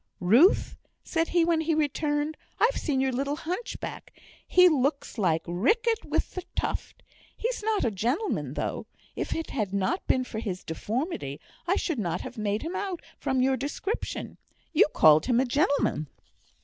"Ruth," said he, when he returned, "I've seen your little hunchback. He looks like Riquet with the Tuft. He's not a gentleman, though. If it had not been for his deformity, I should not have made him out from your description; you called him a gentleman."